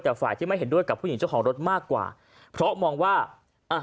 แต่ฝ่ายที่ไม่เห็นด้วยกับผู้หญิงเจ้าของรถมากกว่าเพราะมองว่าอ่ะ